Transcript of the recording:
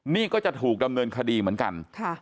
นี่ก็จะถูกดำเนินคดีเหมือนกัน